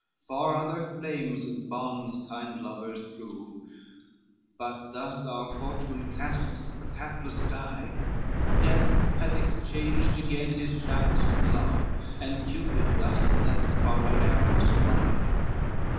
XXXIV "Far other flames and bonds kind lovers prove, But thus our fortune casts the hapless die, Death hath exchanged again his shafts with love, And Cupid thus lets borrowed arrows fly.